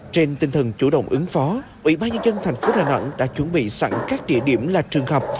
trên tinh thần chủ động ứng phó ủy ban nhân dân thành phố đà nẵng đã chuẩn bị sẵn các địa điểm là trường học